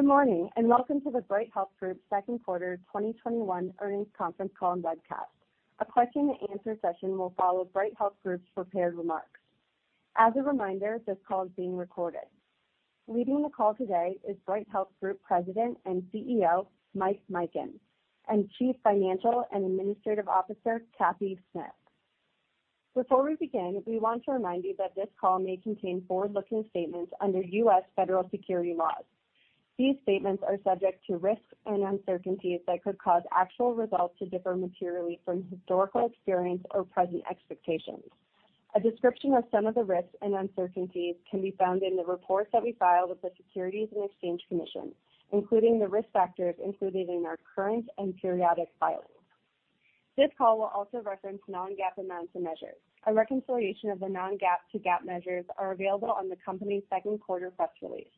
Good morning. Welcome to the Bright Health Group second quarter 2021 earnings conference call and webcast. A question and answer session will follow Bright Health Group's prepared remarks. As a reminder, this call is being recorded. Leading the call today is Bright Health Group President and CEO, Mike Mikan, and Chief Financial and Administrative Officer, Cathy Smith. Before we begin, we want to remind you that this call may contain forward-looking statements under U.S. federal security laws. These statements are subject to risks and uncertainties that could cause actual results to differ materially from historical experience or present expectations. A description of some of the risks and uncertainties can be found in the reports that we file with the Securities and Exchange Commission, including the risk factors included in our current and periodic filings. This call will also reference non-GAAP amounts and measures. A reconciliation of the non-GAAP to GAAP measures are available on the company's second quarter press release.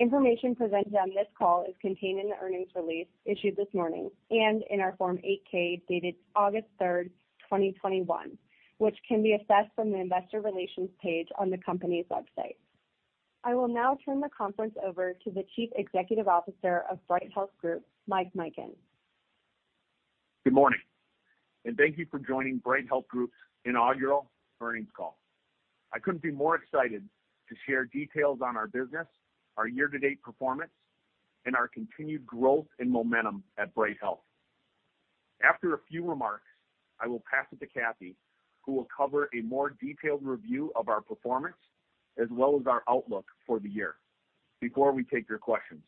Information presented on this call is contained in the earnings release issued this morning and in our Form 8-K dated August 3rd, 2021, which can be accessed from the investor relations page on the company's website. I will now turn the conference over to the Chief Executive Officer of Bright Health Group, Mike Mikan. Good morning, and thank you for joining Bright Health Group's inaugural earnings call. I couldn't be more excited to share details on our business, our year-to-date performance, and our continued growth and momentum at Bright Health. After a few remarks, I will pass it to Cathy, who will cover a more detailed review of our performance as well as our outlook for the year, before we take your questions.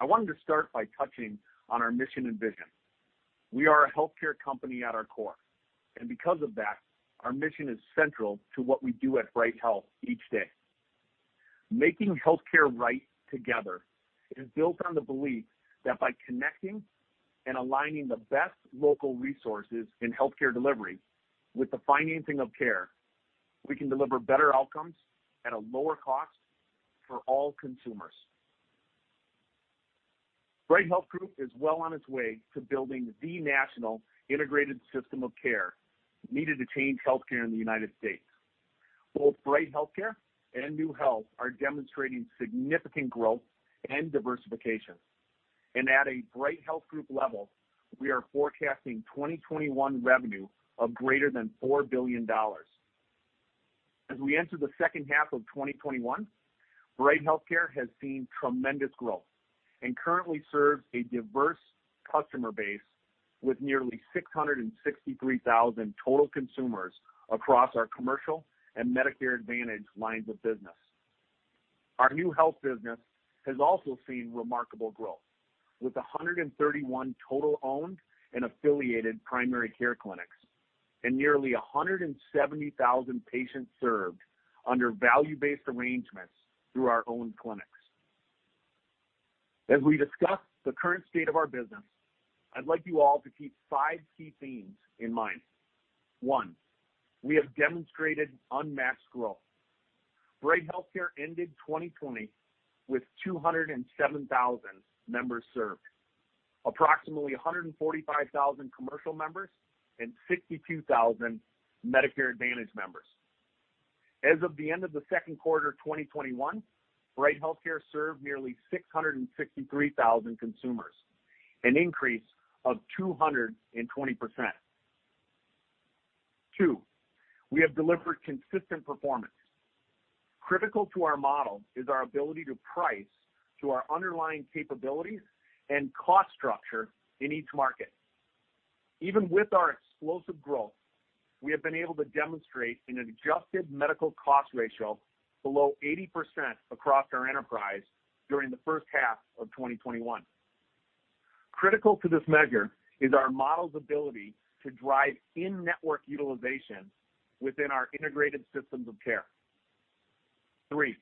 I wanted to start by touching on our mission and vision. We are a healthcare company at our core, and because of that, our mission is central to what we do at Bright Health each day. Making healthcare right together is built on the belief that by connecting and aligning the best local resources in healthcare delivery with the financing of care, we can deliver better outcomes at a lower cost for all consumers. Bright Health Group is well on its way to building the national integrated system of care needed to change healthcare in the United States. Both Bright HealthCare and NeueHealth are demonstrating significant growth and diversification. At a Bright Health Group level, we are forecasting 2021 revenue of greater than $4 billion. As we enter the second half of 2021, Bright HealthCare has seen tremendous growth and currently serves a diverse customer base with nearly 663,000 total consumers across our commercial and Medicare Advantage lines of business. Our NeueHealth business has also seen remarkable growth, with 131 total owned and affiliated primary care clinics and nearly 170,000 patients served under value-based arrangements through our own clinics. As we discuss the current state of our business, I'd like you all to keep five key themes in mind. One, we have demonstrated unmatched growth. Bright HealthCare ended 2020 with 207,000 members served, approximately 145,000 commercial members and 62,000 Medicare Advantage members. As of the end of the second quarter 2021, Bright HealthCare served nearly 663,000 consumers, an increase of 220%. Two, we have delivered consistent performance. Critical to our model is our ability to price to our underlying capabilities and cost structure in each market. Even with our explosive growth, we have been able to demonstrate an adjusted medical cost ratio below 80% across our enterprise during the first half of 2021. Critical to this measure is our model's ability to drive in-network utilization within our integrated systems of care. Three,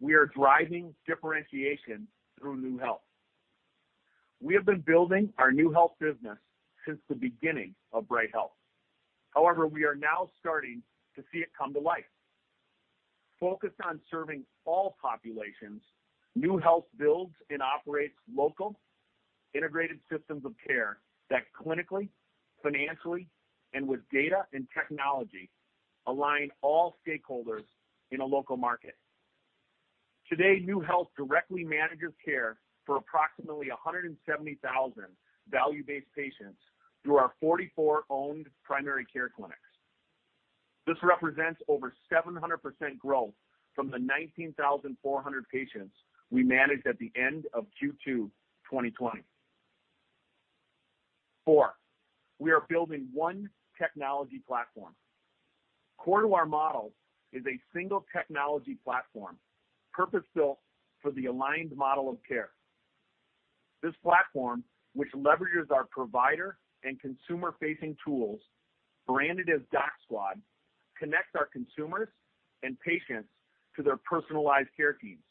we are driving differentiation through NeueHealth. We have been building our NeueHealth business since the beginning of Bright Health. However, we are now starting to see it come to life. Focused on serving all populations, NeueHealth builds and operates local integrated systems of care that clinically, financially, and with data and technology align all stakeholders in a local market. Today, NeueHealth directly manages care for approximately 170,000 value-based patients through our 44 owned primary care clinics. This represents over 700% growth from the 19,400 patients we managed at the end of Q2 2020. Four, we are building one technology platform. Core to our model is a single technology platform, purpose-built for the aligned model of care. This platform, which leverages our provider and consumer-facing tools branded as DocSquad, connects our consumers and patients to their personalized care teams.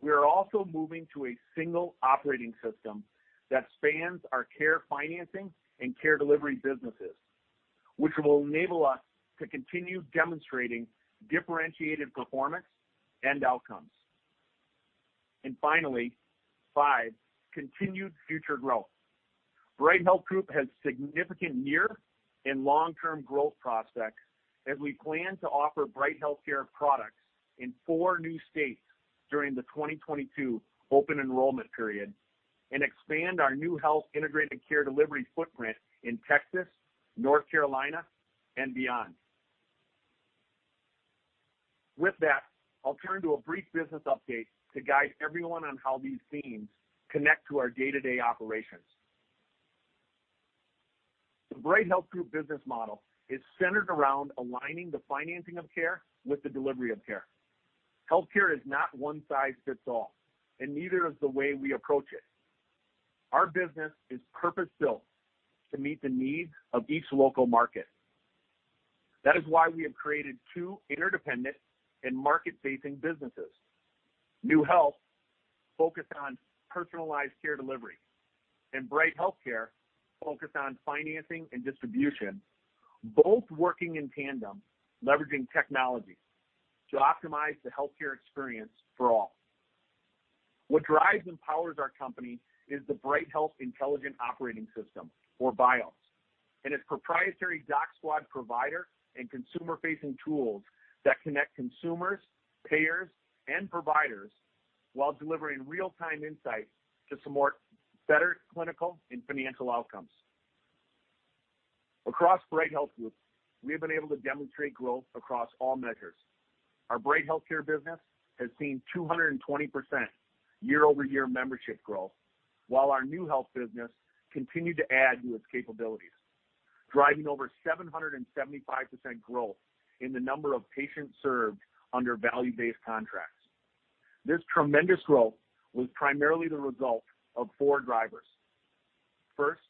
We are also moving to a single operating system that spans our care financing and care delivery businesses, which will enable us to continue demonstrating differentiated performance and outcomes. Finally, five, continued future growth. Bright Health Group has significant near and long-term growth prospects as we plan to offer Bright HealthCare products in four new states during the 2022 open enrollment period and expand our NeueHealth integrated care delivery footprint in Texas, North Carolina, and beyond. With that, I'll turn to a brief business update to guide everyone on how these themes connect to our day-to-day operations. The Bright Health Group business model is centered around aligning the financing of care with the delivery of care. Healthcare is not one size fits all, and neither is the way we approach it. Our business is purpose-built to meet the needs of each local market. That is why we have created two interdependent and market-facing businesses. NeueHealth, focused on personalized care delivery, and Bright HealthCare, focused on financing and distribution, both working in tandem, leveraging technology to optimize the healthcare experience for all. What drives and powers our company is the Bright Health Intelligent Operating System, or BiOS, and its proprietary DocSquad provider and consumer-facing tools that connect consumers, payers, and providers while delivering real-time insights to support better clinical and financial outcomes. Across Bright Health Group, we have been able to demonstrate growth across all measures. Our Bright HealthCare business has seen 220% year-over-year membership growth, while our NeueHealth business continued to add new capabilities, driving over 775% growth in the number of patients served under value-based contracts. This tremendous growth was primarily the result of four drivers. First,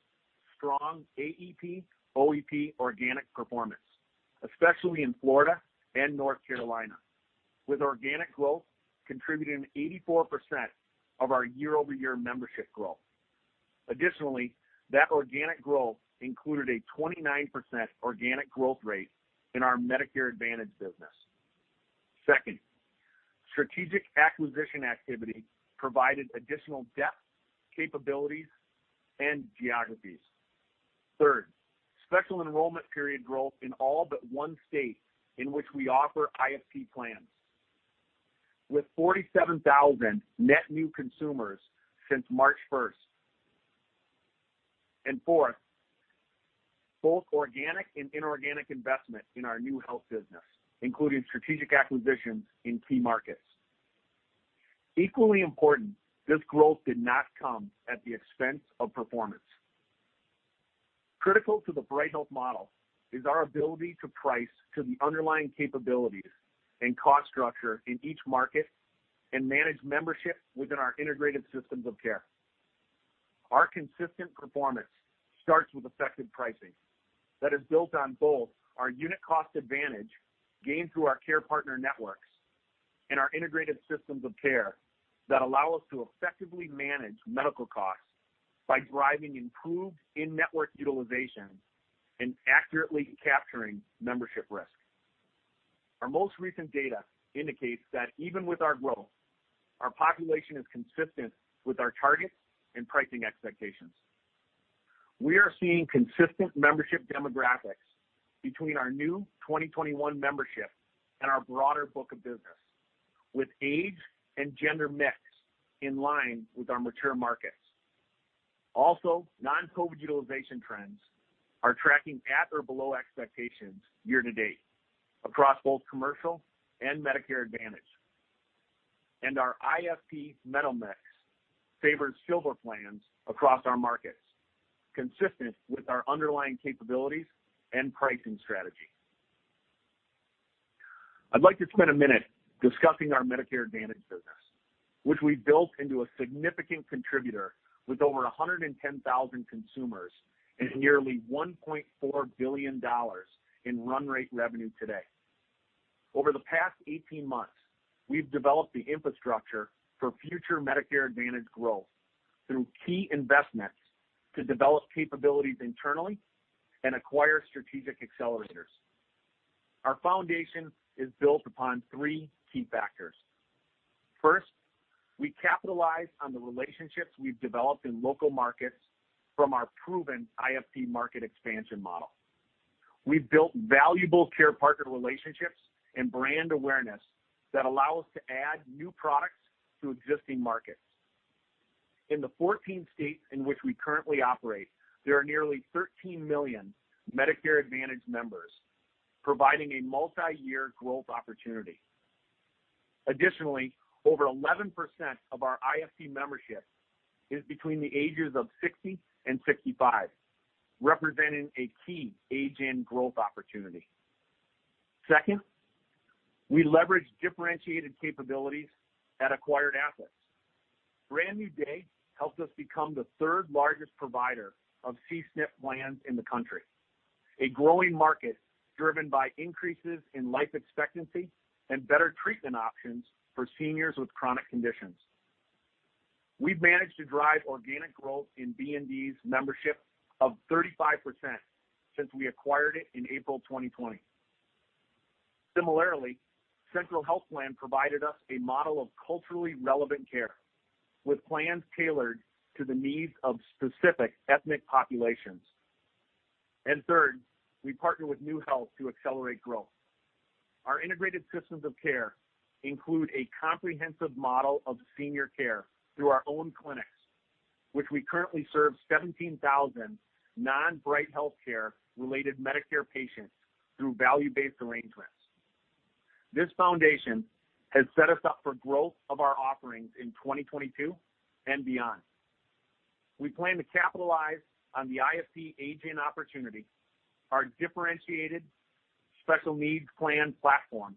strong AEP/OEP organic performance, especially in Florida and North Carolina, with organic growth contributing 84% of our year-over-year membership growth. Additionally, that organic growth included a 29% organic growth rate in our Medicare Advantage business. Second, strategic acquisition activity provided additional depth, capabilities, and geographies. Third, special enrollment period growth in all but one state in which we offer IFP plans, with 47,000 net new consumers since March 1st. Fourth, both organic and inorganic investment in our NeueHealth business, including strategic acquisitions in key markets. Equally important, this growth did not come at the expense of performance. Critical to the Bright Health model is our ability to price to the underlying capabilities and cost structure in each market and manage membership within our integrated systems of care. Our consistent performance starts with effective pricing that is built on both our unit cost advantage gained through our care partner networks and our integrated systems of care that allow us to effectively manage medical costs by driving improved in-network utilization and accurately capturing membership risk. Our most recent data indicates that even with our growth, our population is consistent with our targets and pricing expectations. We are seeing consistent membership demographics between our new 2021 membership and our broader book of business, with age and gender mix in line with our mature markets. Non-COVID utilization trends are tracking at or below expectations year-to-date across both commercial and Medicare Advantage. Our IFP metal mix favors silver plans across our markets, consistent with our underlying capabilities and pricing strategy. I'd like to spend a minute discussing our Medicare Advantage business, which we've built into a significant contributor with over 110,000 consumers and nearly $1.4 billion in run-rate revenue today. Over the past 18 months, we've developed the infrastructure for future Medicare Advantage growth through key investments to develop capabilities internally and acquire strategic accelerators. Our foundation is built upon three key factors. First, we capitalize on the relationships we've developed in local markets from our proven IFP market expansion model. We've built valuable care partner relationships and brand awareness that allow us to add new products to existing markets. In the 14 states in which we currently operate, there are nearly 13 million Medicare Advantage members, providing a multiyear growth opportunity. Additionally, over 11% of our IFP membership is between the ages of 60 and 65, representing a key age-in growth opportunity. Second, we leverage differentiated capabilities at acquired assets. Brand New Day helped us become the third largest provider of C-SNP plans in the country, a growing market driven by increases in life expectancy and better treatment options for seniors with chronic conditions. We've managed to drive organic growth in BND's membership of 35% since we acquired it in April 2020. Similarly, Central Health Plan provided us a model of culturally relevant care, with plans tailored to the needs of specific ethnic populations. Third, we partner with NeueHealth to accelerate growth. Our integrated systems of care include a comprehensive model of senior care through our own clinics, which we currently serve 17,000 non-Bright HealthCare related Medicare patients through value-based arrangements. This foundation has set us up for growth of our offerings in 2022 and beyond. We plan to capitalize on the IFP aging opportunity, our differentiated special needs plan platform,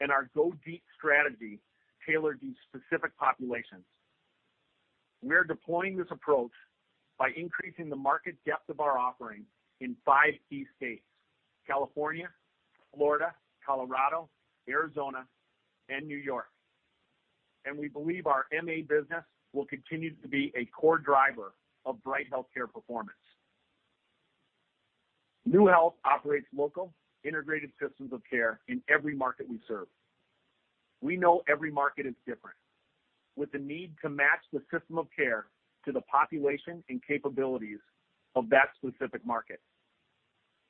and our go deep strategy tailored to specific populations. We are deploying this approach by increasing the market depth of our offerings in five key states, California, Florida, Colorado, Arizona, and New York. We believe our MA business will continue to be a core driver of Bright HealthCare performance. NeueHealth operates local integrated systems of care in every market we serve. We know every market is different, with the need to match the system of care to the population and capabilities of that specific market.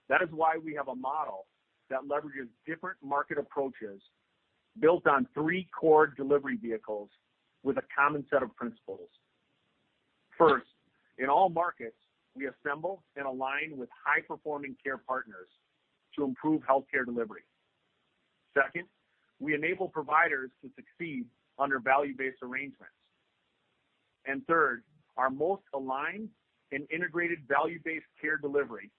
That is why we have a model that leverages different market approaches built on three core delivery vehicles with a common set of principles. First, in all markets, we assemble and align with high-performing care partners to improve healthcare delivery. Second, we enable providers to succeed under value-based arrangements. Third, our most aligned and integrated value-based care delivery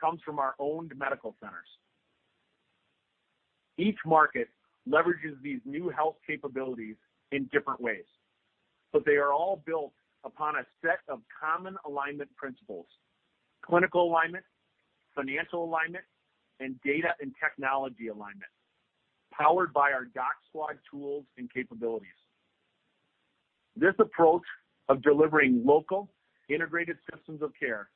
comes from our owned medical centers. Each market leverages these NeueHealth capabilities in different ways, but they are all built upon a set of common alignment principles, clinical alignment, financial alignment, and data and technology alignment, powered by our DocSquad tools and capabilities. This approach of delivering local integrated systems of care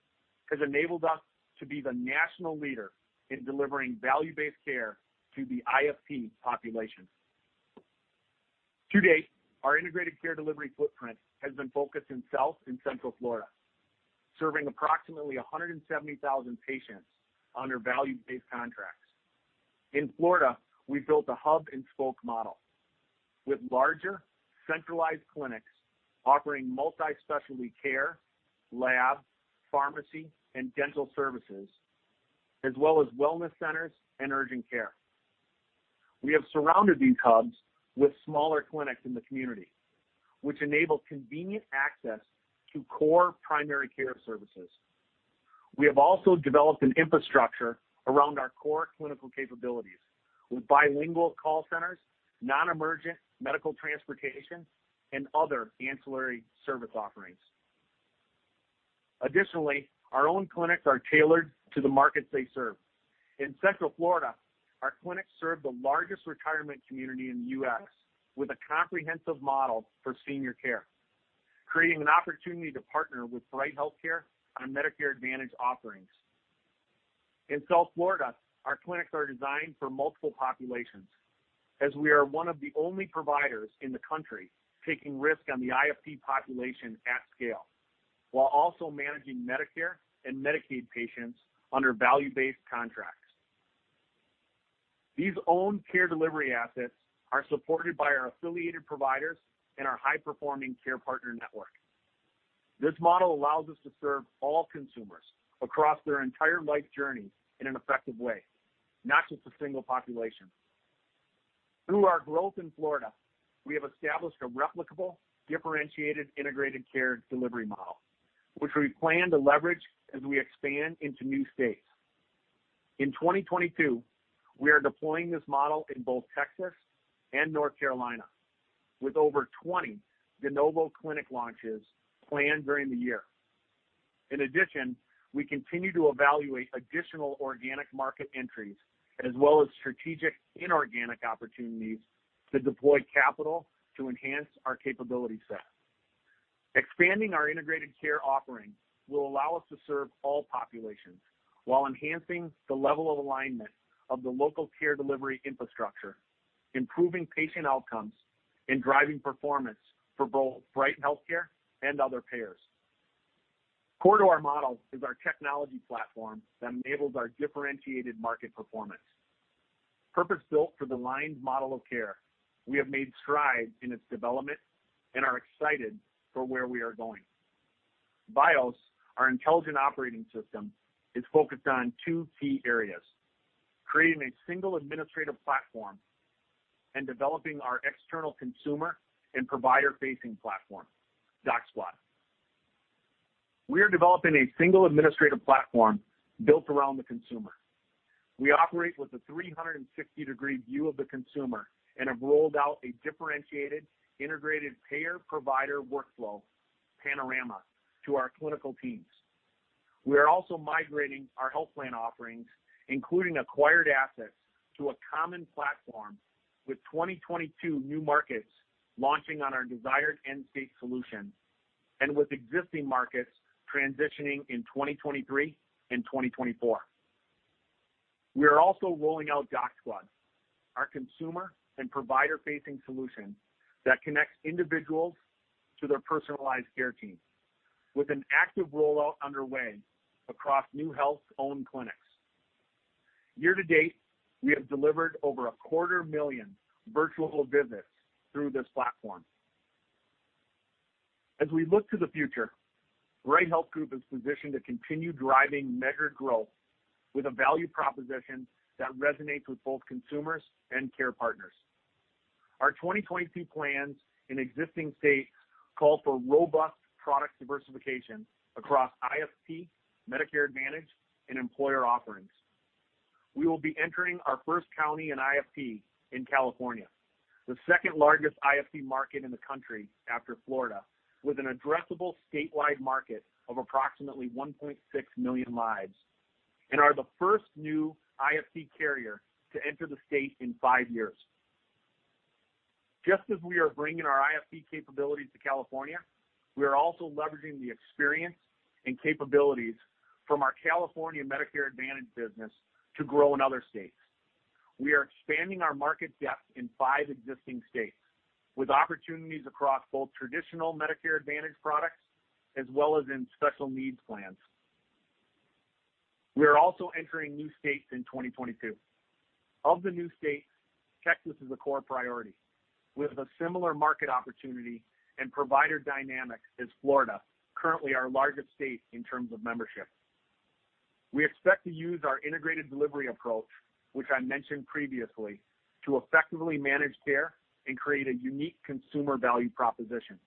has enabled us to be the national leader in delivering value-based care to the IFP population. To date, our integrated care delivery footprint has been focused in South and Central Florida, serving approximately 170,000 patients under value-based contracts. In Florida, we've built a hub-and-spoke model with larger, centralized clinics offering multi-specialty care, lab, pharmacy, and dental services, as well as wellness centers and urgent care. We have surrounded these hubs with smaller clinics in the community, which enable convenient access to core primary care services. We have also developed an infrastructure around our core clinical capabilities with bilingual call centers, non-emergent medical transportation, and other ancillary service offerings. Additionally, our own clinics are tailored to the markets they serve. In Central Florida, our clinics serve the largest retirement community in the U.S. with a comprehensive model for senior care, creating an opportunity to partner with Bright HealthCare on Medicare Advantage offerings. In South Florida, our clinics are designed for multiple populations, as we are one of the only providers in the country taking risk on the IFP population at scale, while also managing Medicare and Medicaid patients under value-based contracts. These owned care delivery assets are supported by our affiliated providers and our high-performing care partner network. This model allows us to serve all consumers across their entire life journey in an effective way, not just a single population. Through our growth in Florida, we have established a replicable, differentiated integrated care delivery model, which we plan to leverage as we expand into new states. In 2022, we are deploying this model in both Texas and North Carolina, with over 20 de novo clinic launches planned during the year. In addition, we continue to evaluate additional organic market entries, as well as strategic inorganic opportunities to deploy capital to enhance our capability set. Expanding our integrated care offerings will allow us to serve all populations while enhancing the level of alignment of the local care delivery infrastructure, improving patient outcomes, and driving performance for both Bright HealthCare and other payers. Core to our model is our technology platform that enables our differentiated market performance. Purpose-built for the aligned model of care, we have made strides in its development and are excited for where we are going. BiOS, our intelligent operating system, is focused on two key areas, creating a single administrative platform and developing our external consumer and provider-facing platform, DocSquad. We are developing a single administrative platform built around the consumer. We operate with a 360-degree view of the consumer and have rolled out a differentiated integrated payer-provider workflow, Panorama, to our clinical teams. We are also migrating our health plan offerings, including acquired assets, to a common platform with 2022 new markets launching on our desired end-state solution. With existing markets transitioning in 2023 and 2024. We are also rolling out DocSquad, our consumer and provider-facing solution that connects individuals to their personalized care team, with an active rollout underway across NeueHealth's own clinics. Year-to-date, we have delivered over 250,000 virtual visits through this platform. As we look to the future, Bright Health Group is positioned to continue driving measured growth with a value proposition that resonates with both consumers and care partners. Our 2022 plans in existing states call for robust product diversification across IFP, Medicare Advantage, and employer offerings. We will be entering our first county in IFP in California, the second largest IFP market in the country after Florida, with an addressable statewide market of approximately 1.6 million lives, and are the first new IFP carrier to enter the state in five years. Just as we are bringing our IFP capabilities to California, we are also leveraging the experience and capabilities from our California Medicare Advantage business to grow in other states. We are expanding our market depth in five existing states, with opportunities across both traditional Medicare Advantage products as well as in special needs plans. We are also entering new states in 2022. Of the new states, Texas is a core priority, with a similar market opportunity and provider dynamics as Florida, currently our largest state in terms of membership. We expect to use our integrated delivery approach, which I mentioned previously, to effectively manage care and create a unique consumer value proposition.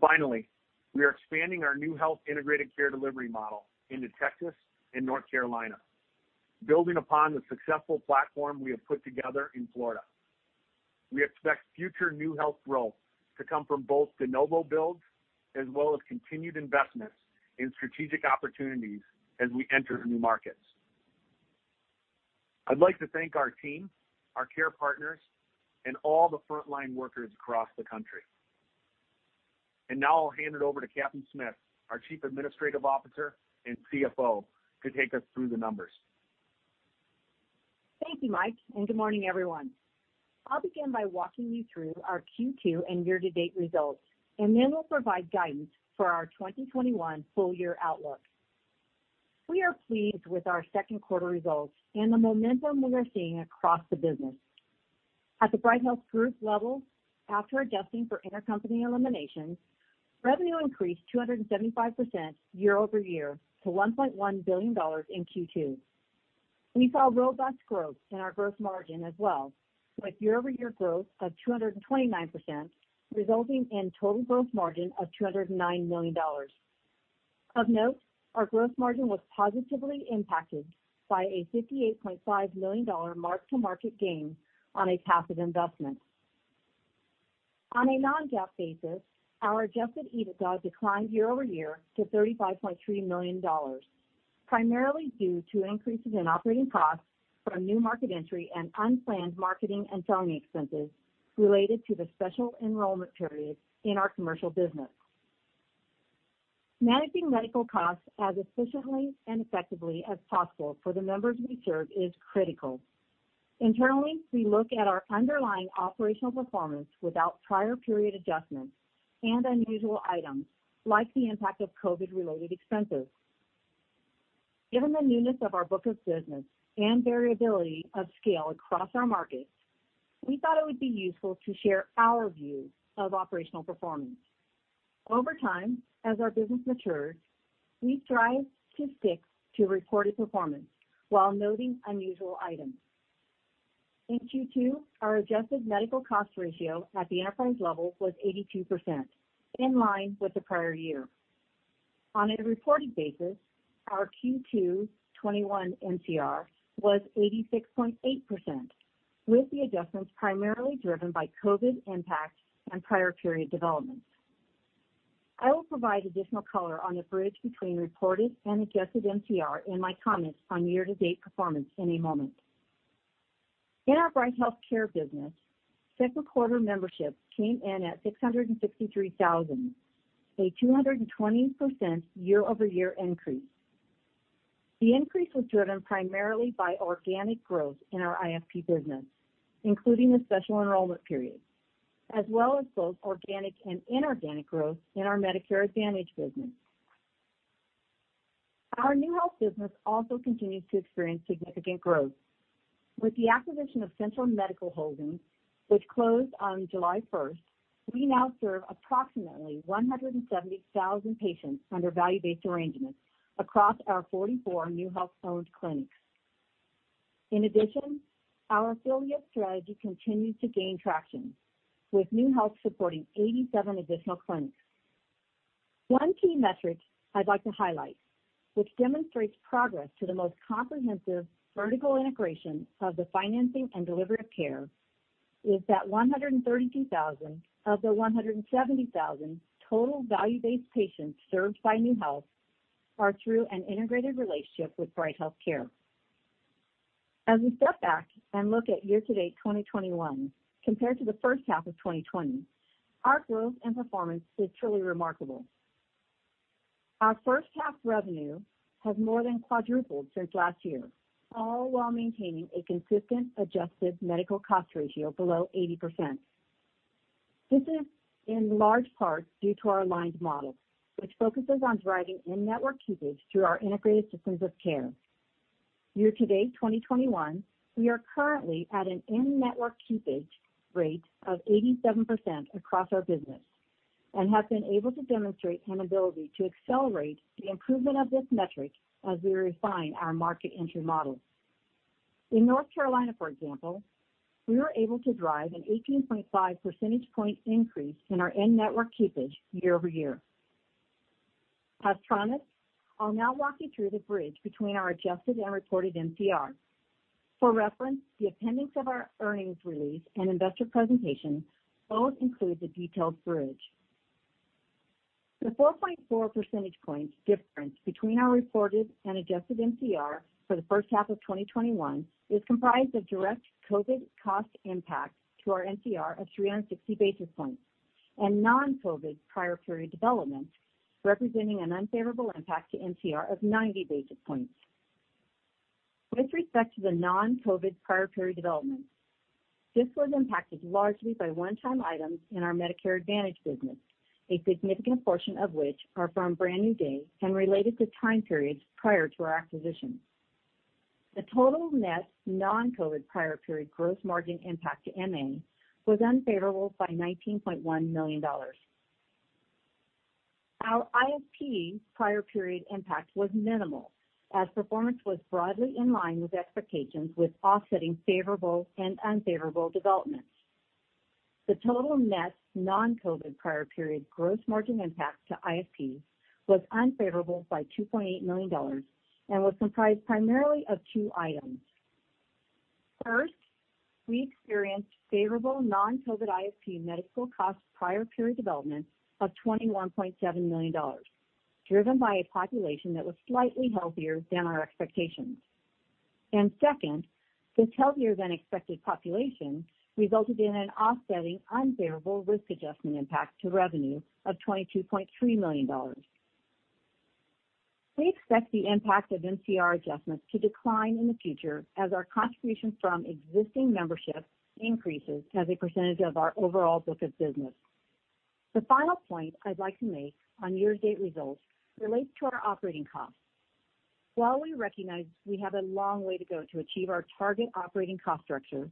Finally, we are expanding our NeueHealth integrated care delivery model into Texas and North Carolina, building upon the successful platform we have put together in Florida. We expect future NeueHealth growth to come from both de novo builds as well as continued investments in strategic opportunities as we enter new markets. I'd like to thank our team, our care partners, and all the frontline workers across the country. Now I'll hand it over to Cathy Smith, our Chief Administrative Officer and CFO, to take us through the numbers. Thank you, Mike, and good morning, everyone. I'll begin by walking you through our Q2 and year-to-date results, and then we'll provide guidance for our 2021 full-year outlook. We are pleased with our second quarter results and the momentum we are seeing across the business. At the Bright Health Group level, after adjusting for intercompany eliminations, revenue increased 275% year-over-year to $1.1 billion in Q2. We saw robust growth in our gross margin as well, with year-over-year growth of 229%, resulting in total gross margin of $209 million. Of note, our gross margin was positively impacted by a $58.5 million mark-to-market gain on a passive investment. On a non-GAAP basis, our adjusted EBITDA declined year-over-year to $35.3 million, primarily due to increases in operating costs from new market entry and unplanned marketing and selling expenses related to the special enrollment period in our commercial business. Managing medical costs as efficiently and effectively as possible for the members we serve is critical. Internally, we look at our underlying operational performance without prior period adjustments and unusual items like the impact of COVID-related expenses. Given the newness of our book of business and variability of scale across our markets, we thought it would be useful to share our view of operational performance. Over time, as our business matures, we strive to stick to reported performance while noting unusual items. In Q2, our adjusted medical cost ratio at the enterprise level was 82%, in line with the prior year. On a reported basis, our Q2 2021 MCR was 86.8%, with the adjustments primarily driven by COVID impacts and prior period developments. I will provide additional color on the bridge between reported and adjusted MCR in my comments on year-to-date performance in a moment. In our Bright HealthCare business, second-quarter membership came in at 663,000, a 220% year-over-year increase. The increase was driven primarily by organic growth in our IFP business, including the special enrollment period, as well as both organic and inorganic growth in our Medicare Advantage business. Our NeueHealth business also continues to experience significant growth. With the acquisition of Centrum Medical Holdings, which closed on July 1st, we now serve approximately 170,000 patients under value-based arrangements across our 44 NeueHealth-owned clinics. In addition, our affiliate strategy continues to gain traction, with NeueHealth supporting 87 additional clinics. One key metric I'd like to highlight, which demonstrates progress to the most comprehensive vertical integration of the financing and delivery of care, is that 132,000 of the 170,000 total value-based patients served by NeueHealth are through an integrated relationship with Bright HealthCare. As we step back and look at year-to-date 2021 compared to the first half of 2020, our growth and performance is truly remarkable. Our first half revenue has more than quadrupled since last year, all while maintaining a consistent adjusted medical cost ratio below 80%. This is in large part due to our Aligned Model, which focuses on driving in-network keepage through our integrated systems of care. Year-to-date 2021, we are currently at an in-network keepage rate of 87% across our business and have been able to demonstrate an ability to accelerate the improvement of this metric as we refine our market entry model. In North Carolina, for example, we were able to drive an 18.5 percentage point increase in our in-network keepage year-over-year. [Panorama], I'll now walk you through the bridge between our adjusted and reported MCR. For reference, the appendix of our earnings release and investor presentation both include the detailed bridge. The 4.4 percentage points difference between our reported and adjusted MCR for the first half of 2021 is comprised of direct COVID cost impact to our MCR of 360 basis points and non-COVID prior period development, representing an unfavorable impact to MCR of 90 basis points. With respect to the non-COVID prior period development, this was impacted largely by one-time items in our Medicare Advantage business, a significant portion of which are from Brand New Day and related to time periods prior to our acquisition. The total net non-COVID prior period gross margin impact to MA was unfavorable by $19.1 million. Our IFP prior period impact was minimal as performance was broadly in line with expectations, with offsetting favorable and unfavorable developments. The total net non-COVID prior period gross margin impact to IFP was unfavorable by $2.8 million and was comprised primarily of two items. First, we experienced favorable non-COVID IFP medical cost prior period development of $21.7 million, driven by a population that was slightly healthier than our expectations. Second, this healthier-than-expected population resulted in an offsetting unfavorable risk adjustment impact to revenue of $22.3 million. We expect the impact of MCR adjustments to decline in the future as our contribution from existing membership increases as a percentage of our overall book of business. The final point I'd like to make on year-to-date results relates to our operating costs. While we recognize we have a long way to go to achieve our target operating cost structure,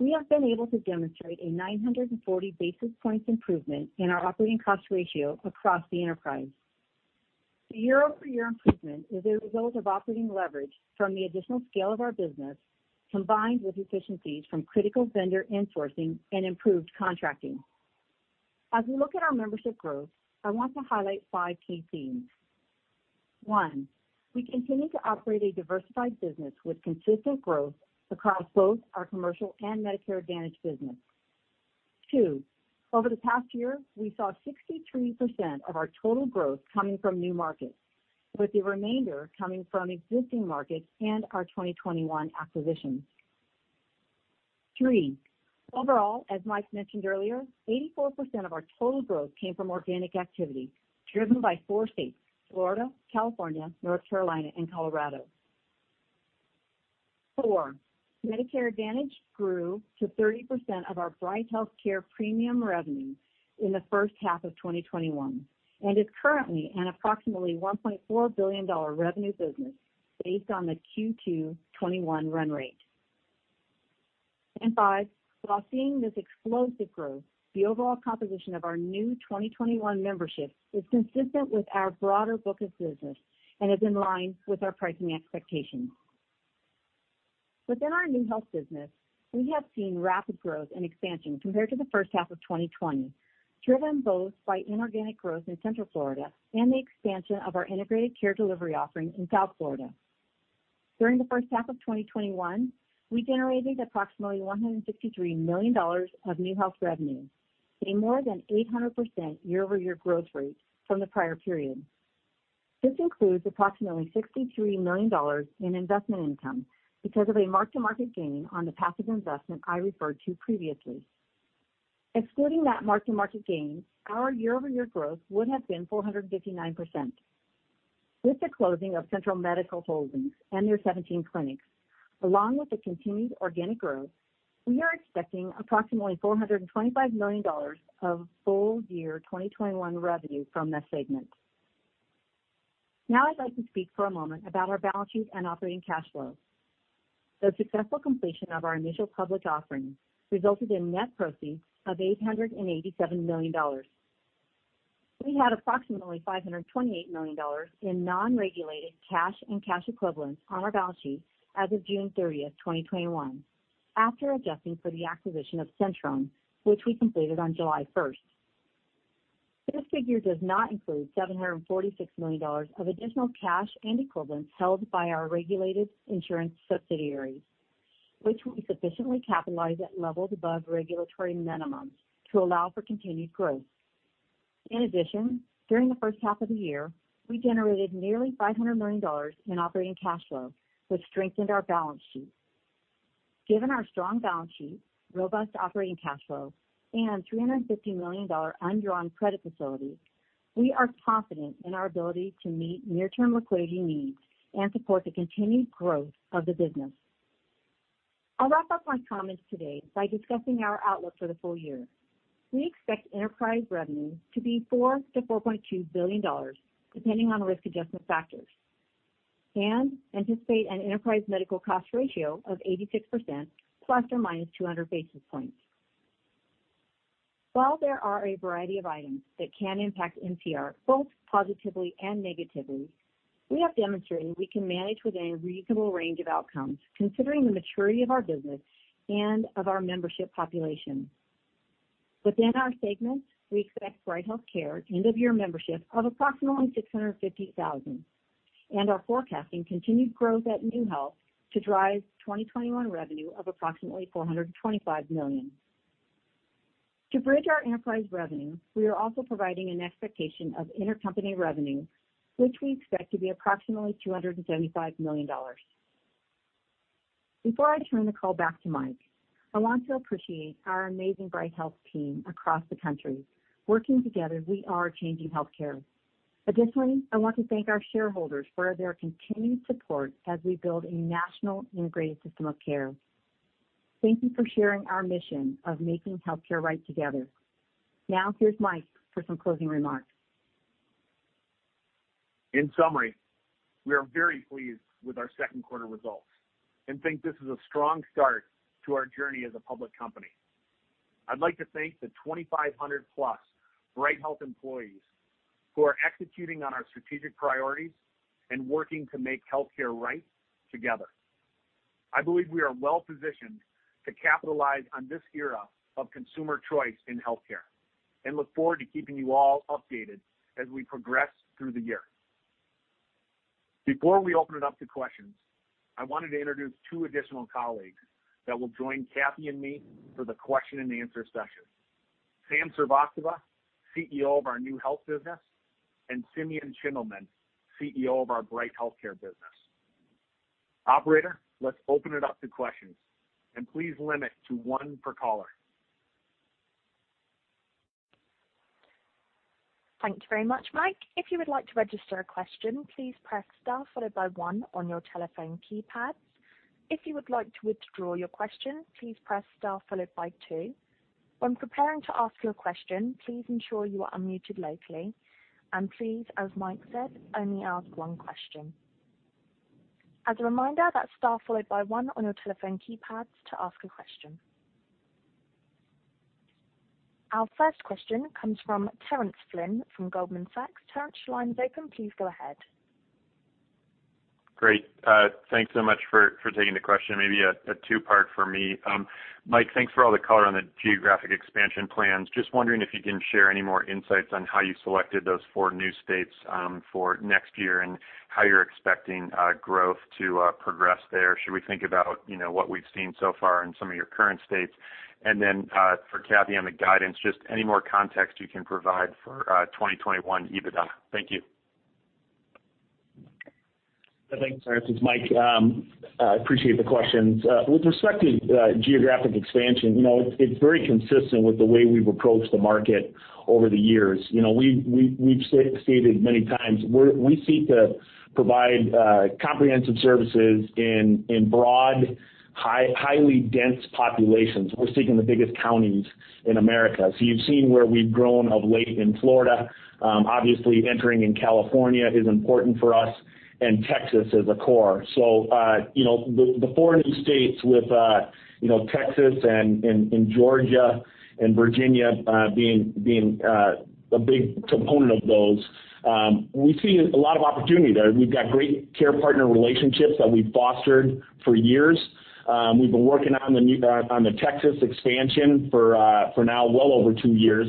we have been able to demonstrate a 940 basis points improvement in our operating cost ratio across the enterprise. The year-over-year improvement is a result of operating leverage from the additional scale of our business, combined with efficiencies from critical vendor in-sourcing and improved contracting. As we look at our membership growth, I want to highlight five key themes. One, we continue to operate a diversified business with consistent growth across both our commercial and Medicare Advantage business. Two, over the past year, we saw 63% of our total growth coming from new markets, with the remainder coming from existing markets and our 2021 acquisitions. Three, overall, as Mike mentioned earlier, 84% of our total growth came from organic activity driven by four states, Florida, California, North Carolina, and Colorado. Four, Medicare Advantage grew to 30% of our Bright HealthCare premium revenue in the first half of 2021 and is currently an approximately $1.4 billion revenue business based on the Q2 2021 run rate. Five, while seeing this explosive growth, the overall composition of our new 2021 membership is consistent with our broader book of business and is in line with our pricing expectations. Within our NeueHealth business, we have seen rapid growth and expansion compared to the first half of 2020, driven both by inorganic growth in Central Florida and the expansion of our integrated care delivery offering in South Florida. During the first half of 2021, we generated approximately $163 million of NeueHealth revenue, a more than 800% year-over-year growth rate from the prior period. This includes approximately $63 million in investment income because of a mark-to-market gain on the passive investment I referred to previously. Excluding that mark-to-market gain, our year-over-year growth would have been 459%. With the closing of Centrum Medical Holdings and their 17 clinics, along with the continued organic growth, we are expecting approximately $425 million of full-year 2021 revenue from this segment. I'd like to speak for a moment about our balance sheet and operating cash flow. The successful completion of our initial public offering resulted in net proceeds of $887 million. We had approximately $528 million in non-regulated cash and cash equivalents on our balance sheet as of June 30th, 2021, after adjusting for the acquisition of Centrum, which we completed on July 1st. This figure does not include $746 million of additional cash and equivalents held by our regulated insurance subsidiaries, which we sufficiently capitalize at levels above regulatory minimums to allow for continued growth. In addition, during the first half of the year, we generated nearly $500 million in operating cash flow, which strengthened our balance sheet. Given our strong balance sheet, robust operating cash flow, and $350 million undrawn credit facility, we are confident in our ability to meet near-term liquidity needs and support the continued growth of the business. I'll wrap up my comments today by discussing our outlook for the full year. We expect enterprise revenue to be $4 billion-$4.2 billion, depending on risk adjustment factors, and anticipate an enterprise medical cost ratio of 86%, ±200 basis points. While there are a variety of items that can impact MCR, both positively and negatively, we have demonstrated we can manage within a reasonable range of outcomes, considering the maturity of our business and of our membership population. Within our segments, we expect Bright HealthCare end-of-year membership of approximately 650,000, and are forecasting continued growth at NeueHealth to drive 2021 revenue of approximately $425 million. To bridge our enterprise revenue, we are also providing an expectation of intercompany revenue, which we expect to be approximately $275 million. Before I turn the call back to Mike, I want to appreciate our amazing Bright Health team across the country. Working together, we are changing healthcare. Additionally, I want to thank our shareholders for their continued support as we build a national integrated system of care. Thank you for sharing our mission of making healthcare right together. Now, here's Mike for some closing remarks. In summary, we are very pleased with our second-quarter results and think this is a strong start to our journey as a public company. I'd like to thank the 2,500+ Bright Health employees who are executing on our strategic priorities and working to make healthcare right together. I believe we are well-positioned to capitalize on this era of consumer choice in healthcare, and look forward to keeping you all updated as we progress through the year. Before we open it up to questions, I wanted to introduce two additional colleagues that will join Cathy and me for the question and answer session. Sam Srivastava, CEO of our NeueHealth business, and Simeon Schindelman, CEO of our Bright HealthCare business. Operator, please limit to one per caller. Thank you very much, Mike. Our first question comes from Terence Flynn from Goldman Sachs. Terence, your line's open. Please go ahead. Great. Thanks so much for taking the question. Maybe a two-part for me. Mike, thanks for all the color on the geographic expansion plans. Just wondering if you can share any more insights on how you selected those four new states for next year and how you're expecting growth to progress there. Should we think about what we've seen so far in some of your current states? For Cathy, on the guidance, just any more context you can provide for 2021 EBITDA. Thank you. Thanks, Terence. It's Mike. I appreciate the questions. With respect to geographic expansion, it's very consistent with the way we've approached the market over the years. We've stated many times, we seek to provide comprehensive services in broad, highly dense populations. We're seeking the biggest counties in America. You've seen where we've grown of late in Florida. Obviously, entering in California is important for us, and Texas is a core. The four new states, with Texas, and Georgia, and Virginia being a big component of those, we see a lot of opportunity there. We've got great care partner relationships that we've fostered for years. We've been working on the Texas expansion for now, well over two years.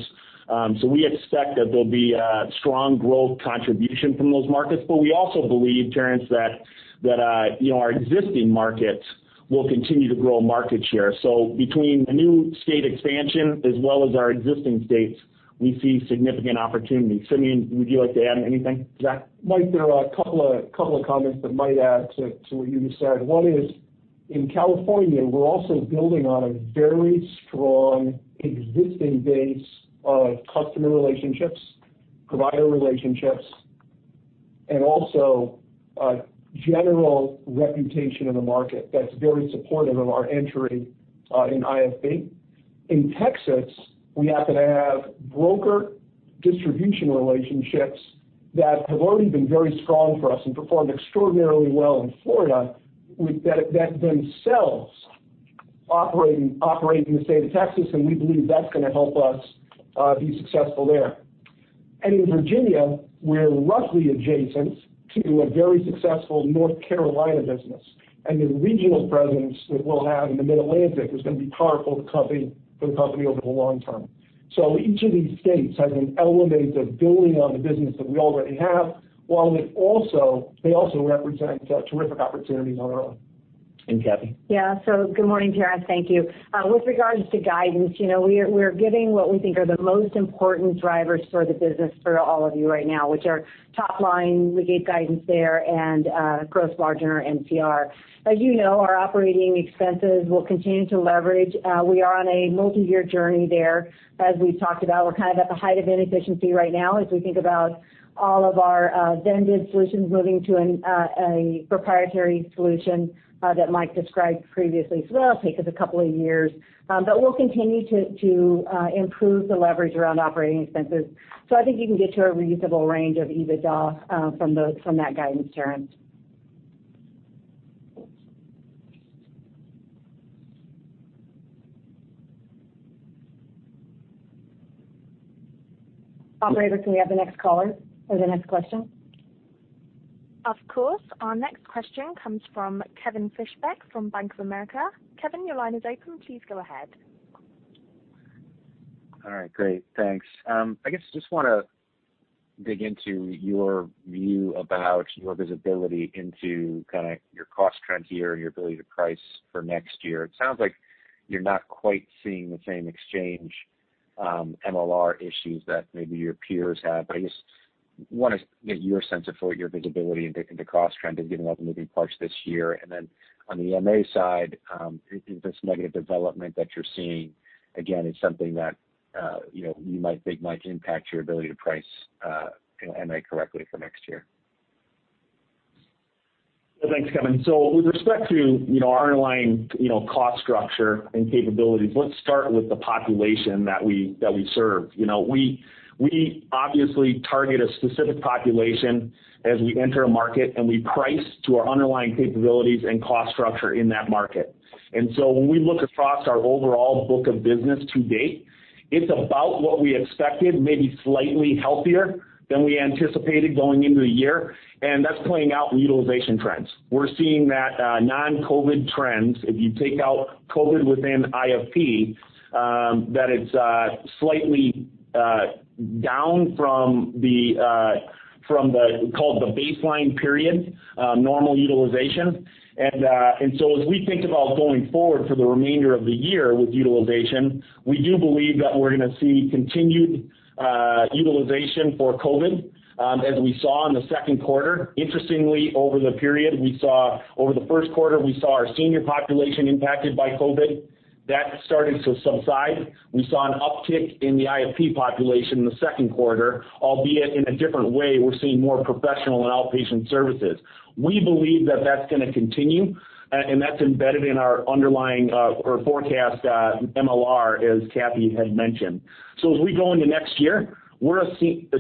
We expect that there'll be a strong growth contribution from those markets. We also believe, Terence, that our existing markets will continue to grow market share. Between the new state expansion as well as our existing states, we see significant opportunity. Simeon, would you like to add anything? Yeah. Mike, there are a couple of comments that might add to what you just said. One is, in California, we're also building on a very strong existing base of customer relationships, provider relationships, and also a general reputation in the market that's very supportive of our entry in IFP. In Texas, we happen to have broker distribution relationships that have already been very strong for us and performed extraordinarily well in Florida, which themselves operate in the state of Texas. We believe that's going to help us be successful there. In Virginia, we're luckily adjacent to a very successful North Carolina business, and the regional presence that we'll have in the Mid-Atlantic is going to be powerful for the company over the long term. Each of these states has an element of building on the business that we already have, while they also represent terrific opportunities on their own. Cathy? Yeah. Good morning, Terence. Thank you. With regards to guidance, we're giving what we think are the most important drivers for the business for all of you right now, which are top line, we gave guidance there, and gross margin or MCR. As you know, our operating expenses will continue to leverage. We are on a multi-year journey there. As we've talked about, we're kind of at the height of inefficiency right now as we think about all of our vended solutions moving to a proprietary solution that Mike described previously. That'll take us a couple of years. We'll continue to improve the leverage around operating expenses. I think you can get to a reasonable range of EBITDA from that guidance, Terence. Operator, can we have the next caller or the next question? Of course. Our next question comes from Kevin Fischbeck from Bank of America. Kevin, your line is open. Please go ahead. All right, great. Thanks. I guess just want to dig into your view about your visibility into kind of your cost trend here and your ability to price for next year. It sounds like you're not quite seeing the same exchange MLR issues that maybe your peers have, but I just want to get your sense of what your visibility into cost trend is given all the moving parts this year. On the MA side, if this negative development that you're seeing, again, is something that you might think might impact your ability to price MA correctly for next year. Thanks, Kevin. With respect to our underlying cost structure and capabilities, let's start with the population that we serve. We obviously target a specific population as we enter a market, and we price to our underlying capabilities and cost structure in that market. When we look across our overall book of business to date, it's about what we expected, maybe slightly healthier than we anticipated going into the year, and that's playing out in utilization trends. We're seeing that non-COVID trends, if you take out COVID within IFP, that it's slightly down from call it the baseline period, normal utilization. As we think about going forward for the remainder of the year with utilization, we do believe that we're going to see continued utilization for COVID, as we saw in the second quarter. Interestingly, over the period, over the first quarter, we saw our senior population impacted by COVID. That started to subside. We saw an uptick in the IFP population in the second quarter, albeit in a different way. We're seeing more professional and outpatient services. We believe that that's going to continue, and that's embedded in our underlying forecast MLR, as Cathy had mentioned. As we go into next year, we're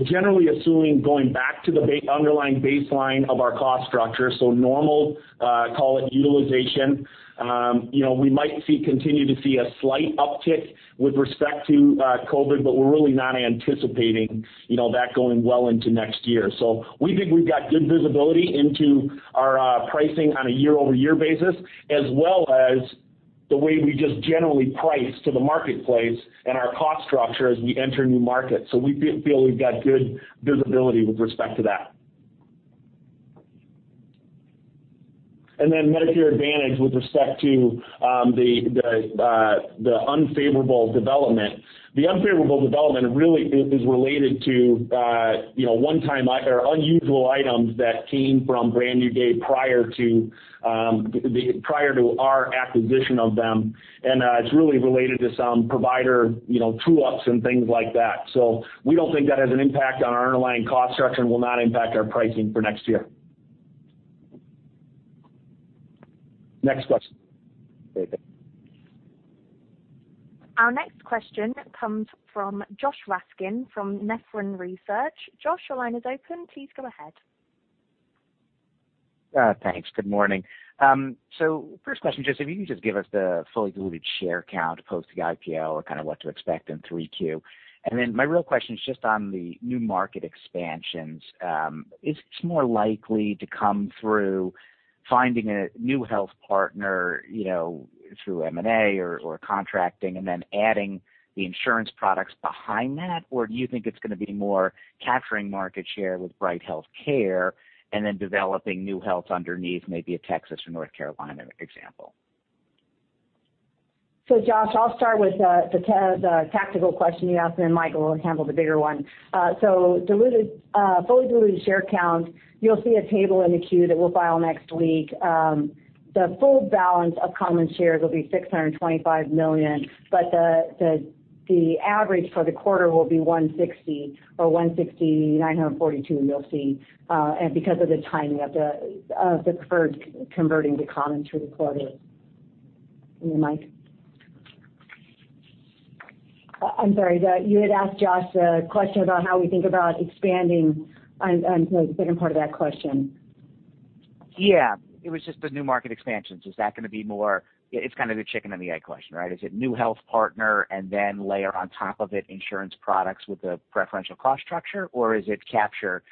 generally assuming going back to the underlying baseline of our cost structure, so normal, call it utilization. We might continue to see a slight uptick with respect to COVID, but we're really not anticipating that going well into next year. We think we've got good visibility into our pricing on a year-over-year basis, as well as the way we just generally price to the marketplace and our cost structure as we enter new markets. We feel we've got good visibility with respect to that. Medicare Advantage with respect to the unfavorable development. The unfavorable development really is related to one-time or unusual items that came from Brand New Day prior to our acquisition of them, and it's really related to some provider true-ups and things like that. We don't think that has an impact on our underlying cost structure and will not impact our pricing for next year. Next question. Okay, thanks. Our next question comes from Josh Raskin from Nephron Research. Josh, your line is open. Please go ahead. Thanks. Good morning. First question, just if you could just give us the fully diluted share count post the IPO or kind of what to expect in 3Q. My real question is just on the new market expansions. Is it more likely to come through finding a NeueHealth partner through M&A or contracting and then adding the insurance products behind that? Or do you think it's going to be more capturing market share with Bright HealthCare and then developing NeueHealth underneath maybe a Texas or North Carolina example? Josh, I'll start with the tactical question you asked, then Mike will handle the bigger one. Fully diluted share count, you'll see a table in the Q that we'll file next week. The full balance of common shares will be $625 million, but the average for the quarter will be 160,942, you'll see, because of the timing of the preferred converting to common through the quarter. Mike? I'm sorry. You had asked Josh a question about how we think about expanding on to the second part of that question. Yeah. It was just the new market expansions. It's kind of the chicken and the egg question, right? Is it NeueHealth partner and then layer on top of it insurance products with a preferential cost structure? Or is it capture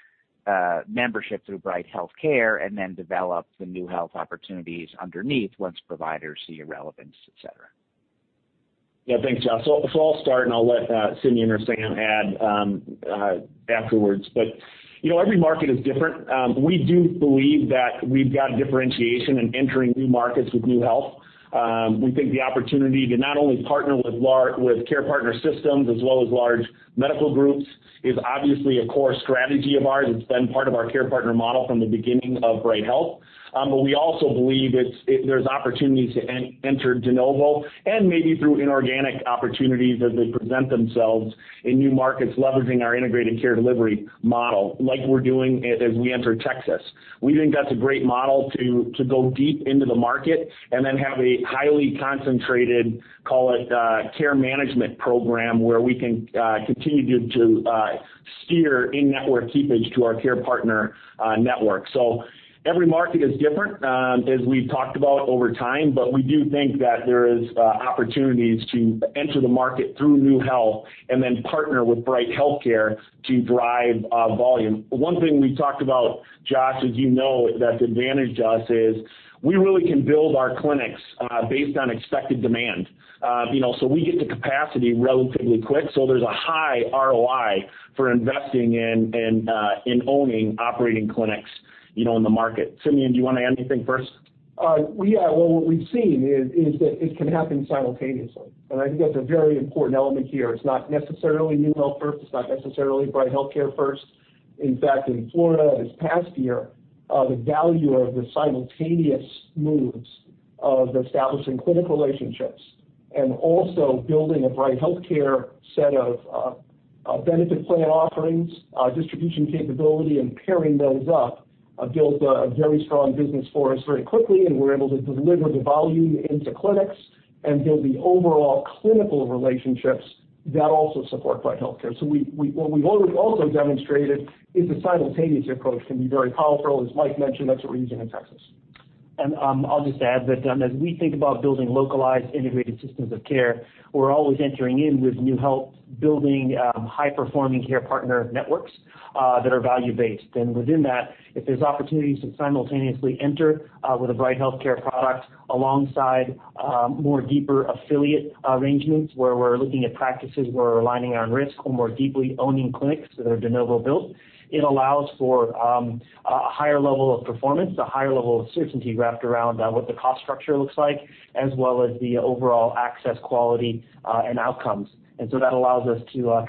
membership through Bright HealthCare and then develop the NeueHealth opportunities underneath once providers see relevance, et cetera? Yeah. Thanks, Josh. I'll start, and I'll let Simeon or Sam add afterwards. Every market is different. We do believe that we've got differentiation in entering new markets with NeueHealth. We think the opportunity to not only partner with care partner systems as well as large medical groups is obviously a core strategy of ours. It's been part of our care partner model from the beginning of Bright Health. We also believe there's opportunities to enter de novo and maybe through inorganic opportunities as they present themselves in new markets, leveraging our integrated care delivery model, like we're doing as we enter Texas. We think that's a great model to go deep into the market and then have a highly concentrated, call it, care management program where we can continue to steer in-network keepage to our care partner network. Every market is different, as we've talked about over time, but we do think that there is opportunities to enter the market through NeueHealth and then partner with Bright HealthCare to drive volume. One thing we talked about, Josh, as you know, that's advantaged us is we really can build our clinics based on expected demand. We get to capacity relatively quick. There's a high ROI for investing in owning operating clinics in the market. Simeon, do you want to add anything first? Yeah. Well, what we've seen is that it can happen simultaneously, and I think that's a very important element here. It's not necessarily NeueHealth first. It's not necessarily Bright HealthCare first. In fact, in Florida this past year, the value of the simultaneous moves of establishing clinical relationships and also building a Bright HealthCare set of benefit plan offerings, distribution capability, and pairing those up, built a very strong business for us very quickly, and we're able to deliver the volume into clinics and build the overall clinical relationships that also support Bright HealthCare. What we've also demonstrated is the simultaneous approach can be very powerful, as Mike mentioned, that's what we're using in Texas. I'll just add that as we think about building localized integrated systems of care, we're always entering in with NeueHealth, building high-performing care partner networks that are value-based. Within that, if there's opportunities to simultaneously enter with a Bright HealthCare product alongside more deeper affiliate arrangements where we're looking at practices, we're aligning our risk or more deeply owning clinics that are de novo built, it allows for a higher level of performance, a higher level of certainty wrapped around what the cost structure looks like, as well as the overall access quality and outcomes. That allows us to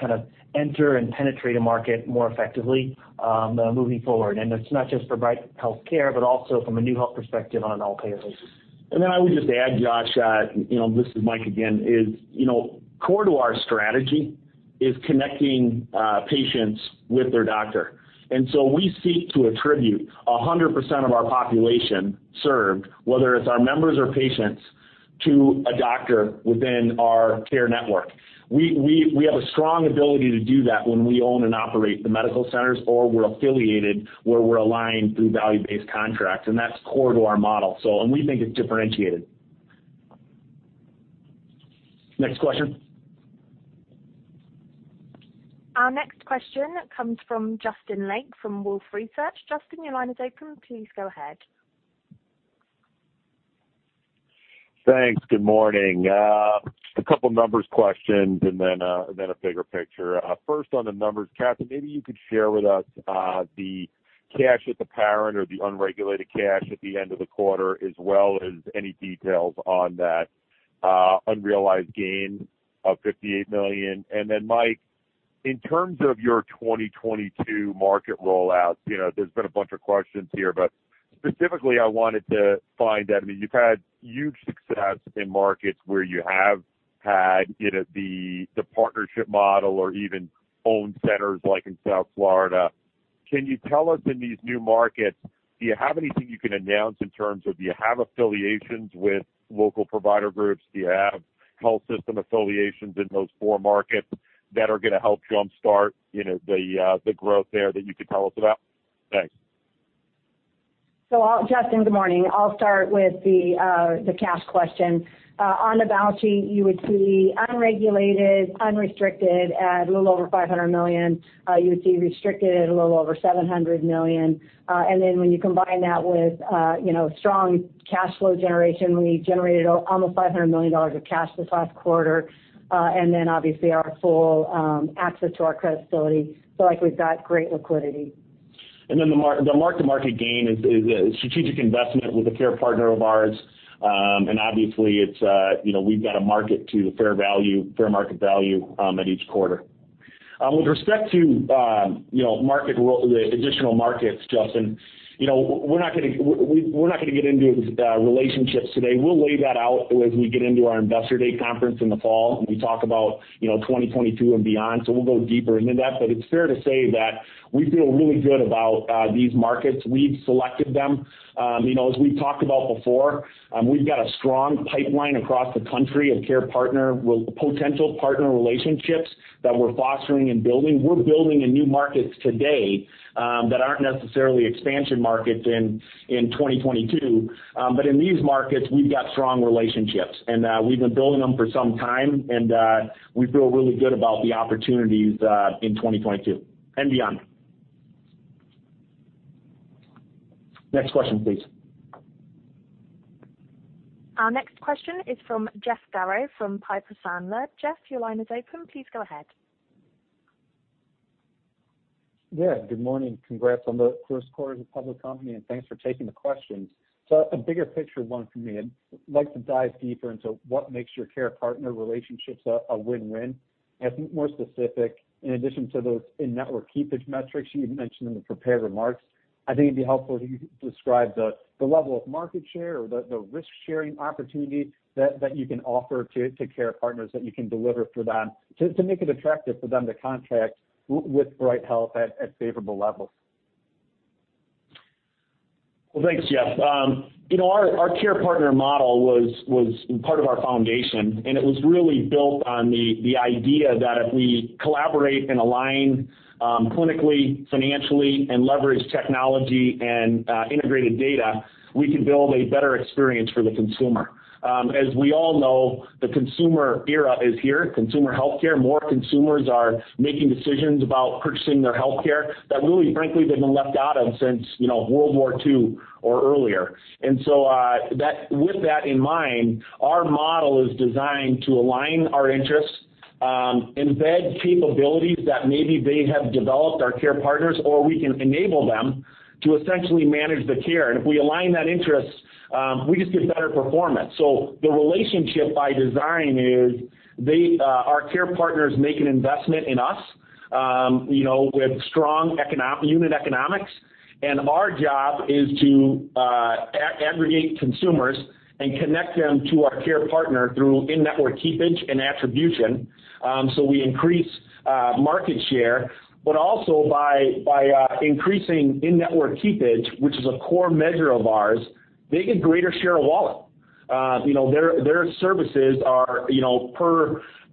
enter and penetrate a market more effectively moving forward. It's not just for Bright HealthCare, but also from a NeueHealth perspective on an all-payer basis. I would just add, Josh, this is Mike again, is core to our strategy is connecting patients with their doctor. We seek to attribute 100% of our population served, whether it's our members or patients, to a doctor within our care network. We have a strong ability to do that when we own and operate the medical centers, or we're affiliated where we're aligned through value-based contracts, and that's core to our model, and we think it's differentiated. Next question. Our next question comes from Justin Lake from Wolfe Research. Justin, your line is open. Please go ahead. Thanks. Good morning. A couple numbers questions and then a bigger picture. First, on the numbers, Cathy, maybe you could share with us the cash at the parent or the unregulated cash at the end of the quarter, as well as any details on that unrealized gain of $58 million. Then Mike, in terms of your 2022 market roll-outs, there's been a bunch of questions here, but specifically, I wanted to find out, you've had huge success in markets where you have had the partnership model or even owned centers like in South Florida. Can you tell us in these new markets, do you have anything you can announce in terms of, do you have affiliations with local provider groups? Do you have health system affiliations in those four markets that are going to help jumpstart the growth there that you could tell us about? Thanks. Justin, good morning. I'll start with the cash question. On the balance sheet, you would see unregulated, unrestricted at a little over $500 million. You would see restricted at a little over $700 million. When you combine that with strong cash flow generation, we generated almost $500 million of cash this last quarter. Obviously our full access to our credit facility. I feel like we've got great liquidity. The mark-to-market gain is a strategic investment with a care partner of ours. Obviously, we've got to market to the fair market value at each quarter. With respect to the additional markets, Justin, we're not going to get into relationships today. We'll lay that out as we get into our investor day conference in the fall, when we talk about 2022 and beyond. We'll go deeper into that. It's fair to say that we feel really good about these markets. We've selected them. As we've talked about before, we've got a strong pipeline across the country of care partner with potential partner relationships that we're fostering and building. We're building in new markets today that aren't necessarily expansion markets in 2022. In these markets, we've got strong relationships, and we've been building them for some time, and we feel really good about the opportunities in 2022 and beyond. Next question, please. Our next question is from Jeff Garro from Piper Sandler. Jeff, your line is open. Please go ahead. Yeah. Good morning. Congrats on the first quarter as a public company, and thanks for taking the questions. A bigger picture one for me. I'd like to dive deeper into what makes your care partner relationships a win-win. I think more specific, in addition to those in-network keepage metrics you had mentioned in the prepared remarks, I think it'd be helpful if you could describe the level of market share or the risk-sharing opportunity that you can offer to care partners that you can deliver for them to make it attractive for them to contract with Bright Health at favorable levels. Well, thanks, Jeff. Our care partner model was part of our foundation, and it was really built on the idea that if we collaborate and align clinically, financially, and leverage technology and integrated data, we can build a better experience for the consumer. As we all know, the consumer era is here, consumer healthcare. More consumers are making decisions about purchasing their healthcare that really, frankly, they've been left out of since World War II or earlier. With that in mind, our model is designed to align our interests, embed capabilities that maybe they have developed, our care partners, or we can enable them to essentially manage the care. If we align that interest, we just get better performance. The relationship by design is our care partners make an investment in us with strong unit economics. Our job is to aggregate consumers and connect them to our care partner through in-network keepage and attribution. We increase market share, but also by increasing in-network keepage, which is a core measure of ours, they get greater share of wallet. Their services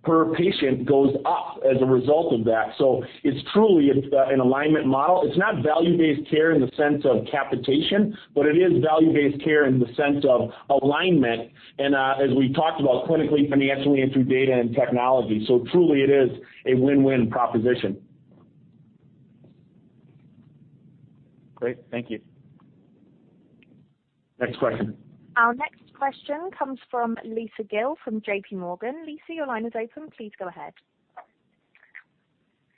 per patient goes up as a result of that. It's truly an alignment model. It's not value-based care in the sense of capitation, but it is value-based care in the sense of alignment and, as we talked about clinically, financially, and through data and technology. Truly it is a win-win proposition. Great. Thank you. Next question. Our next question comes from Lisa Gill from J.P. Morgan. Lisa, your line is open. Please go ahead.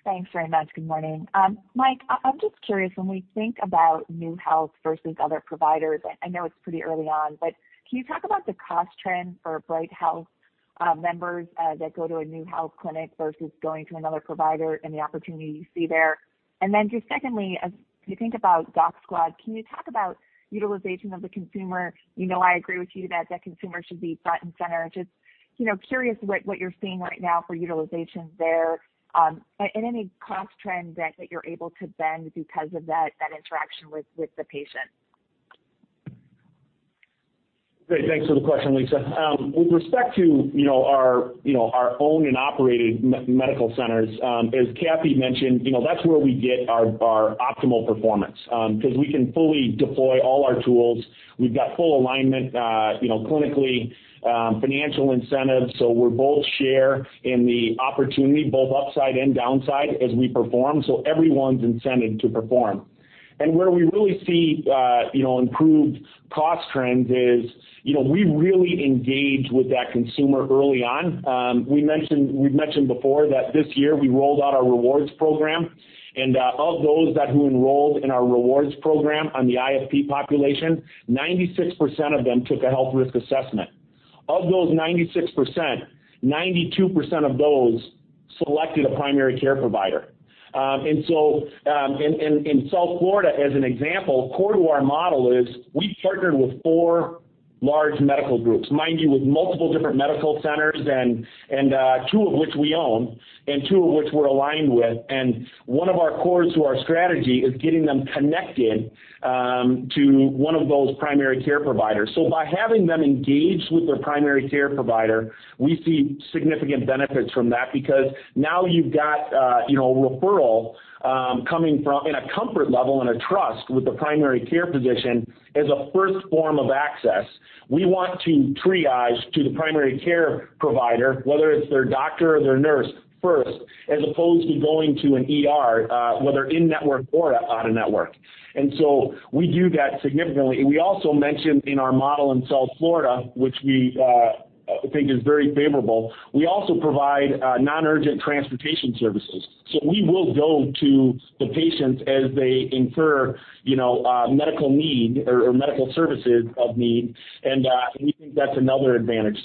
Thanks very much. Good morning. Mike, I'm just curious, when we think about NeueHealth versus other providers, I know it's pretty early on, but can you talk about the cost trend for Bright Health members that go to a NeueHealth clinic versus going to another provider and the opportunity you see there? Then just secondly, as you think about DocSquad, can you talk about utilization of the consumer? You know I agree with you that that consumer should be front and center. Just curious what you're seeing right now for utilization there, and any cost trend that you're able to bend because of that interaction with the patient. Great. Thanks for the question, Lisa. With respect to our owned and operated medical centers, as Cathy mentioned, that's where we get our optimal performance, because we can fully deploy all our tools. We've got full alignment clinically, financial incentives, so we're both share in the opportunity, both upside and downside, as we perform. Everyone's incented to perform. Where we really see improved cost trends is, we really engage with that consumer early on. We've mentioned before that this year we rolled out our rewards program, and of those who enrolled in our rewards program on the IFP population, 96% of them took a health risk assessment. Of those 96%, 92% of those selected a primary care provider. In South Florida, as an example, core to our model is we've partnered with four large medical groups, mind you, with multiple different medical centers, and two of which we own and two of which we're aligned with. One of our cores to our strategy is getting them connected to one of those primary care providers. By having them engaged with their primary care provider, we see significant benefits from that because now you've got a referral coming from, and a comfort level and a trust with the primary care physician as a first form of access. We want to triage to the primary care provider, whether it's their doctor or their nurse first, as opposed to going to an ER, whether in network or out of network. We do that significantly. We also mentioned in our model in South Florida, which we think is very favorable, we also provide non-urgent transportation services. We will go to the patients as they incur medical need or medical services of need, and we think that's another advantage.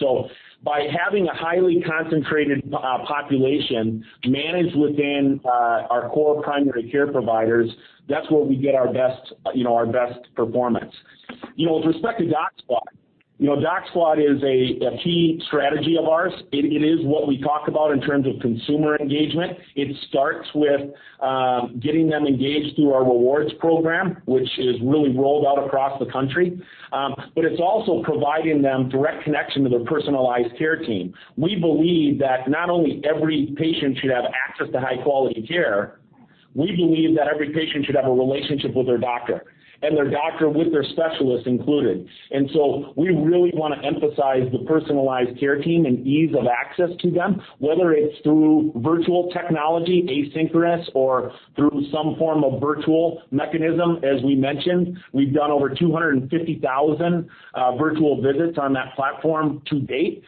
By having a highly concentrated population managed within our core primary care providers, that's where we get our best performance. With respect to DocSquad is a key strategy of ours. It is what we talk about in terms of consumer engagement. It starts with getting them engaged through our rewards program, which is really rolled out across the country. It's also providing them direct connection to their personalized care team. We believe that every patient should have a relationship with their doctor, and their doctor with their specialist included. We really want to emphasize the personalized care team and ease of access to them, whether it's through virtual technology, asynchronous or through some form of virtual mechanism. As we mentioned, we've done over 250,000 virtual visits on that platform to date.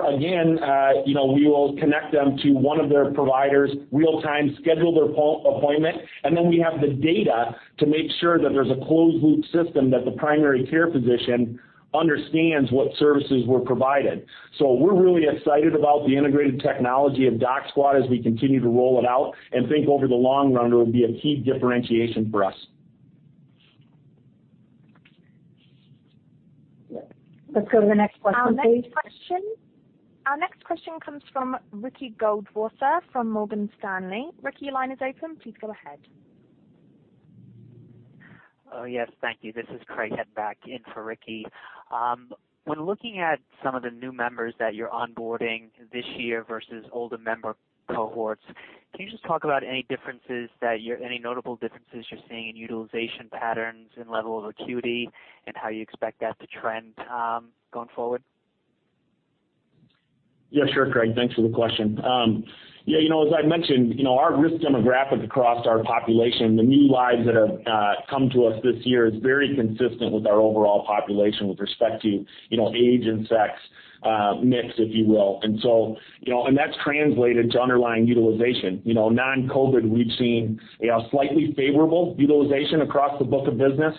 Again, we will connect them to one of their providers real-time, schedule their appointment, and then we have the data to make sure that there's a closed-loop system that the primary care physician understands what services were provided. We're really excited about the integrated technology of DocSquad as we continue to roll it out, and think over the long run, it will be a key differentiation for us. Let's go to the next question, please. Our next question comes from Ricky Goldwasser from Morgan Stanley. Ricky, line is open. Please go ahead. Yes, thank you. This is Craig Hettenbach, in for Ricky. When looking at some of the new members that you're onboarding this year versus older member cohorts, can you just talk about any notable differences you're seeing in utilization patterns and level of acuity, and how you expect that to trend going forward? Yeah, sure, Craig. Thanks for the question. As I mentioned, our risk demographics across our population, the new lives that have come to us this year is very consistent with our overall population with respect to age and sex mix, if you will. That's translated to underlying utilization. Non-COVID, we've seen slightly favorable utilization across the book of business.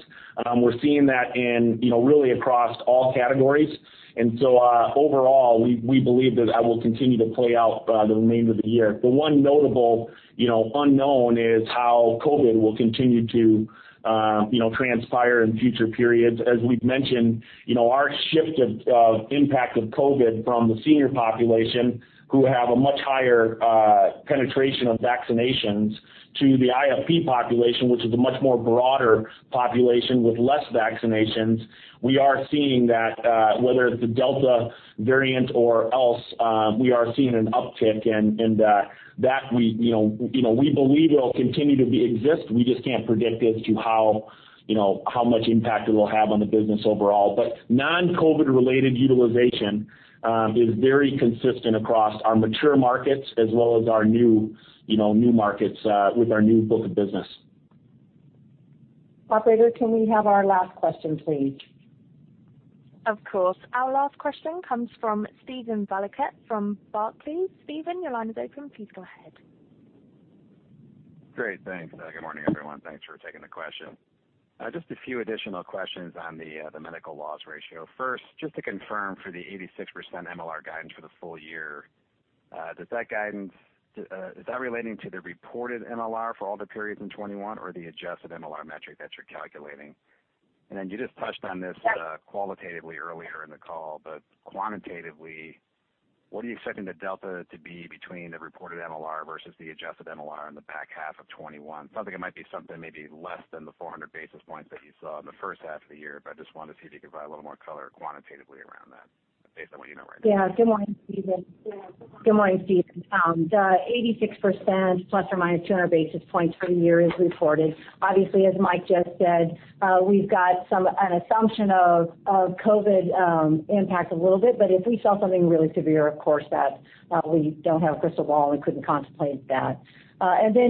We're seeing that in really across all categories. Overall, we believe that that will continue to play out the remainder of the year. The one notable unknown is how COVID will continue to transpire in future periods. As we've mentioned, our shift of impact of COVID from the senior population, who have a much higher penetration of vaccinations, to the IFP population, which is a much more broader population with less vaccinations. We are seeing that, whether it's the Delta variant or else, we are seeing an uptick, and that we believe it'll continue to exist. We just can't predict as to how much impact it'll have on the business overall. Non-COVID related utilization is very consistent across our mature markets as well as our new markets with our new book of business. Operator, can we have our last question, please? Of course. Our last question comes from Steven Valiquette from Barclays. Steven, your line is open. Please go ahead. Great. Thanks. Good morning, everyone. Thanks for taking the question. Just a few additional questions on the medical loss ratio. First, just to confirm for the 86% MLR guidance for the full year, is that relating to the reported MLR for all the periods in 2021, or the adjusted MLR metric that you're calculating? You just touched on this qualitatively earlier in the call, but quantitatively, what are you expecting the Delta to be between the reported MLR versus the adjusted MLR in the back half of 2021? Something that might be less than the 400 basis points that you saw in the first half of the year. I just wanted to see if you could provide a little more color quantitatively around that based on what you know right now. Good morning, Steven. The 86% ±200 basis points for the year is reported. As Mike just said, we've got an assumption of COVID impact a little bit, but if we saw something really severe, of course, we don't have a crystal ball and couldn't contemplate that.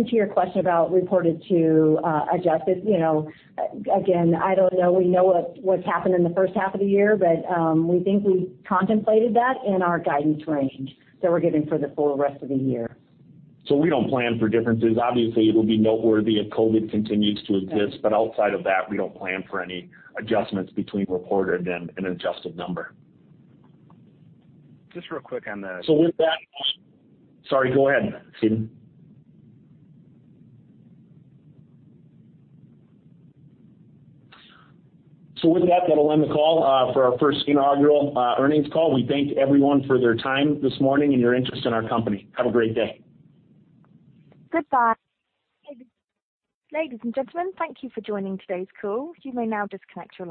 To your question about reported to adjusted, again, I don't know. We know what's happened in the first half of the year, but we think we've contemplated that in our guidance range that we're giving for the full rest of the year. We don't plan for differences. Obviously, it'll be noteworthy if COVID continues to exist. Outside of that, we don't plan for any adjustments between reported and an adjusted number. Just real quick on the- Sorry, go ahead, Steven. With that'll end the call for our first inaugural earnings call. We thank everyone for their time this morning and your interest in our company. Have a great day. Goodbye. Ladies and gentlemen, thank you for joining today's call. You may now disconnect your line.